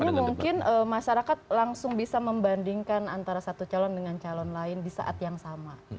ini mungkin masyarakat langsung bisa membandingkan antara satu calon dengan calon lain di saat yang sama